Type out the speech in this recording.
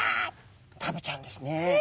食べちゃうんですね。